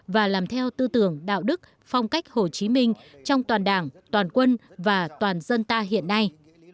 và làm theo tư tưởng đạo đức phong cách hồ chí minh trong toàn đảng toàn quân và toàn dân ta hiện nay